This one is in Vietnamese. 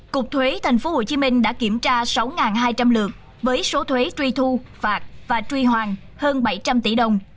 cục thuế tp hcm đã kiểm tra sáu hai trăm linh lượt với số thuế truy thu phạt và truy hoàn hơn bảy trăm linh tỷ đồng